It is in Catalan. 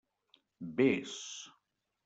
Vés.